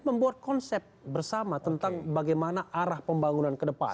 membuat konsep bersama tentang bagaimana arah pembangunan ke depan